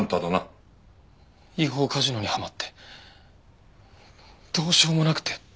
違法カジノにはまってどうしようもなくて。